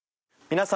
皆様。